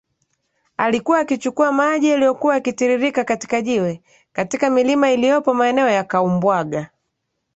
alikuwa akichukua maji yaliyokuwa yakitiririka katika jiwe katika milima iliyopo maeneo ya Kaumbwaga